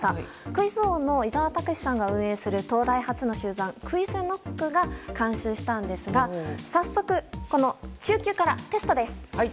クイズ王の伊沢拓司さんが運営する東大発の集団ＱｕｉｚＫｎｏｃｋが監修したんですが早速、中級からテストです。